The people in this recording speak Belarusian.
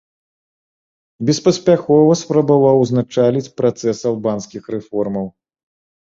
Беспаспяхова спрабаваў ўзначаліць працэс албанскіх рэформаў.